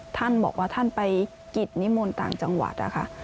ท่านบอกว่าท่านไปกิจนิมนต์ต่างจังหวัดนะคะ